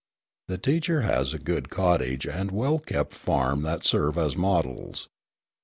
The teacher has a good cottage and well kept farm that serve as models.